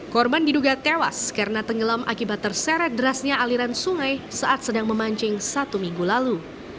korban diduga tewas karena tenggelam akibat terseret derasnya aliran sungai saat sedang memancing satu minggu lalu